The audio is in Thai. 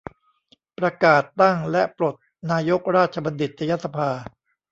ประกาศตั้งและปลดนายกราชบัณฑิตยสภา